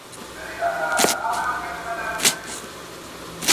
ارام ذهن مو د ژوند له هر ډول ذهني ګډوډۍ څخه ژغوري.